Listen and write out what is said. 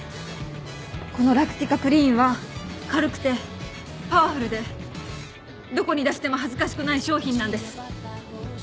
このラクティカクリーンは軽くてパワフルでどこに出しても恥ずかしくない商品なんです。